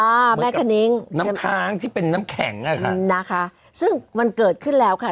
แม่คณิ้งน้ำค้างที่เป็นน้ำแข็งอ่ะค่ะนะคะซึ่งมันเกิดขึ้นแล้วค่ะ